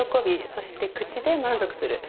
そして口で満足する。